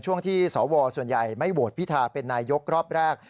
ช่วงที่สวส่วนใหญ่ไม่โหวตพิธาเป็นนายกรอบแรก